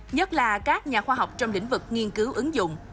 nhất là các nhà khoa học trong lĩnh vực nghiên cứu ứng dụng